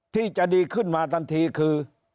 ที่จะดีขึ้นมาทันทีคือ